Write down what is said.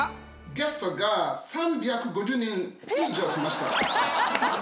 ゲストが３５０人以上来ました。